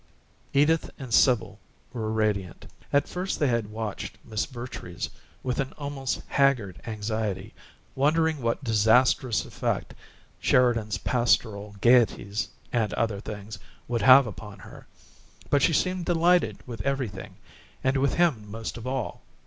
Edith and Sibyl were radiant: at first they had watched Miss Vertrees with an almost haggard anxiety, wondering what disasterous effect Sheridan's pastoral gaieties and other things would have upon her, but she seemed delighted with everything, and with him most of all.